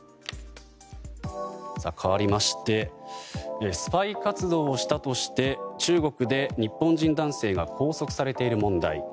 かわりましてスパイ活動をしたとして中国で日本人男性が拘束されている問題。